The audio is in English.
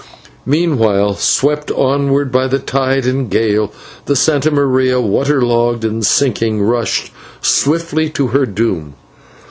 Meanwhile, swept onward by the tide and gale, the /Santa Maria/, waterlogged and sinking, rushed swiftly to her doom.